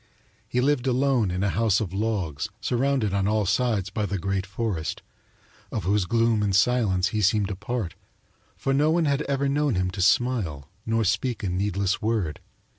He lived alone in a house of logs surrounded on all sides by the great forest, of whose gloom and silence he seemed a part, for no one had ever known him to smile nor speak a needless word.